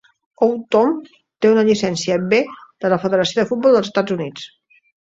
Oughton té una llicència "B" de la Federació de Futbol dels Estats Units.